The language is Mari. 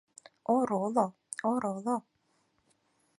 Ороло, ороло...